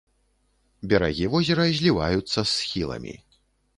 Берагі возера зліваюцца з схіламі.